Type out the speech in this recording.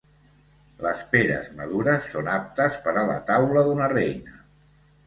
Les peres madures són aptes per a la taula d'una reina.